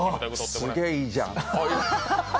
すげぇいいじゃん。